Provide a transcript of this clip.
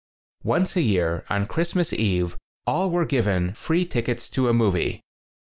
Once a year, on Christmas Eve, all were given free tickets to a movie.